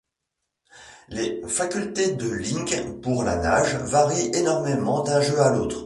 Les facultés de Link pour la nage varient énormément d’un jeu à l’autre.